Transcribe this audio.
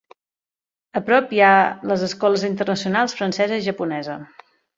A prop hi ha les escoles internacionals francesa i japonesa.